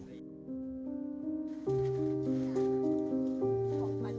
ia takut bisa menjaga keamanan dan keamanan anaknya